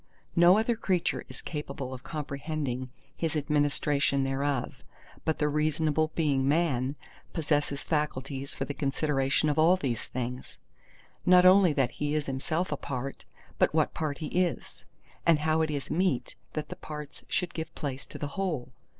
No other creature is capable of comprehending His administration thereof; but the reasonable being Man possesses faculties for the consideration of all these things—not only that he is himself a part, but what part he is, and how it is meet that the parts should give place to the whole.